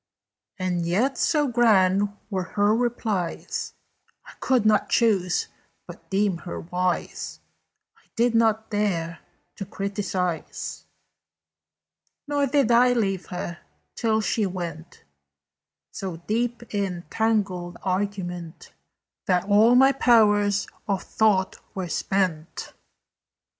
"And yet, so grand were her replies, I could not choose but deem her wise; I did not dare to criticise; "Nor did I leave her, till she went So deep in tangled argument That all my powers of thought were spent."